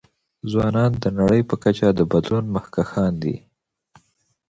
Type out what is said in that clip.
ځوانان د نړۍ په کچه د بدلون مخکښان دي.